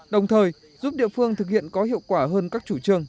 đồng thời giúp địa phương thực hiện có hiệu quả hơn các chủ trương